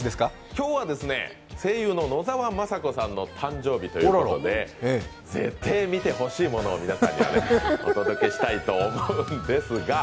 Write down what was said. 今日は声優の野沢雅子さんの誕生日ということでぜってぇ見てほしいものを皆さんにお届けしたいと思います。